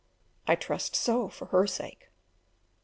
I trust so, for her sake!